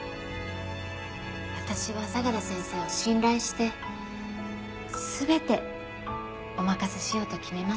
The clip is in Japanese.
私は相良先生を信頼して全てお任せしようと決めました。